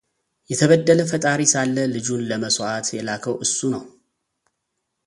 የተበደለ ፈጣሪ ሳለ ልጁን ለመሥዋዕት የላከው እሱ ነው።